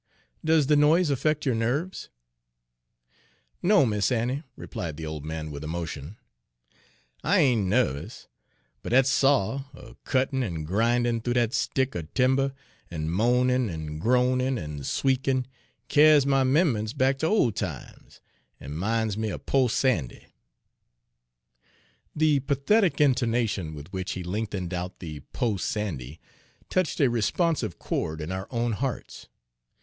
"Does the noise affect your nerves?" "No, Mis' Annie," replied the old man, with emotion, "I ain' narvous; but dat saw, a cuttin' en grindin' thoo dat stick er timber, en moanin', en groanin,' en sweekin', kyars my 'memb'ance back ter ole times, en' min's me er po' Sandy." The pathetic intonation with which he lengthened out the "po' Sandy" touched a responsive chord in our own hearts.